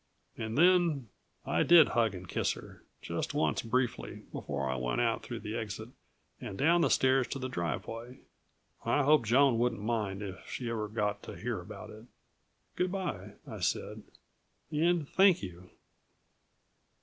And then I did hug and kiss her, just once briefly before I went out through the exit and down the stairs to the driveway. I hoped Joan wouldn't mind if she ever got to hear about it. "Goodbye," I said. "And thank you."